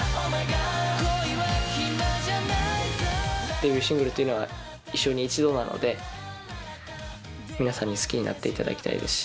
デビューシングルというのは、一生に一度なので、皆さんに好きになっていただきたいですし。